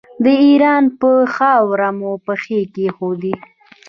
د ایران پر خاوره مو پښې کېښودې.